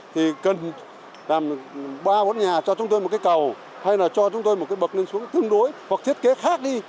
thì cần làm ba bốn nhà cho chúng tôi một cái cầu hay là cho chúng tôi một cái bậc lên xuống tương đối hoặc thiết kế khác đi